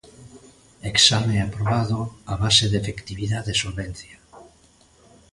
Exame aprobado a base de efectividade e solvencia.